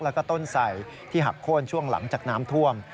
แล้วก็ต้นใส่ที่หักโค้นช่วงหลังจากน้ำท่วม